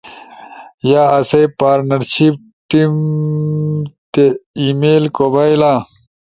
ت یا آسئی پارٹنرشپ ٹیم تے ای میل کو بھئیلا۔